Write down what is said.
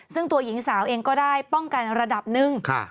ซึ่งตัวหญิงสาวเองก็ได้ป้องกันระดับหนึ่ง